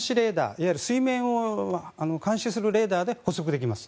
いわゆる水面を監視するレーダーで捕捉できます。